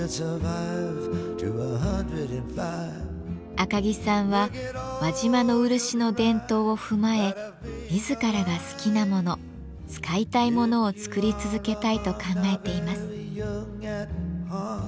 赤木さんは輪島の漆の伝統を踏まえ自らが好きなもの使いたいものを作り続けたいと考えています。